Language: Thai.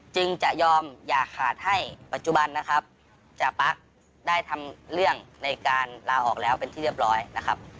จึงจะยอมอย่าขาดให้ปัจจุบันนะครับจาปั๊กได้ทำเรื่องในการลาออกแล้วเป็นที่เรียบร้อยนะครับ